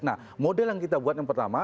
nah model yang kita buat yang pertama